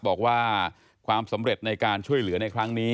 บอกว่าความสำเร็จในการช่วยเหลือในครั้งนี้